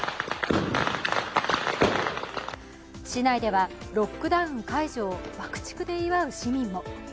市内ではロックダウン解除を爆竹で祝う市民も。